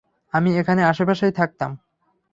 আমি এখানে আশেপাশেই থাকতাম।